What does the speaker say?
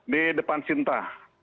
di depan sinta